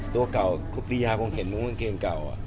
ตัวเก่าคุปปียาคงเห็นมุ้งกางเกงเก่า